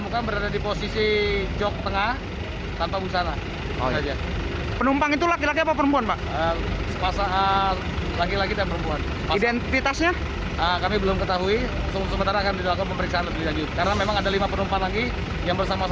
kedua korban telah dihantar ke tempat yang dianggap sebagai penumpang tersebut